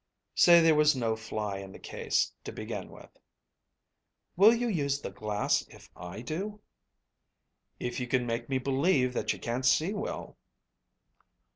"Say there was no fly in the case, to begin with." "Will you use the glass if I do?" "If you can make me believe that you can't see well."